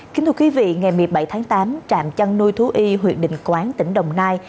kính thưa quý vị ngày một mươi bảy tháng tám trạm chăn nuôi thú y huyện đình quán tỉnh đồng nai